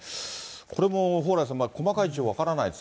これも蓬莱さん、細かい情報分からないです